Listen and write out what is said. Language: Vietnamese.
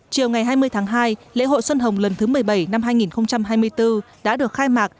chiều ngày hai mươi tháng hai lễ hội xuân hồng lần thứ một mươi bảy năm hai nghìn hai mươi bốn đã được khai mạc